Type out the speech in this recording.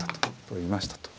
取りましたと。